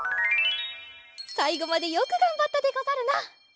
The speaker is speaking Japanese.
さいごまでよくがんばったでござるな。